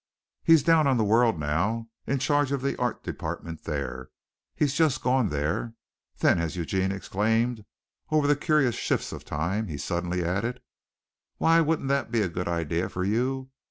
"He's down on the World now, in charge of the art department there. He's just gone there." Then as Eugene exclaimed over the curious shifts of time, he suddenly added, "Why wouldn't that be a good idea for you?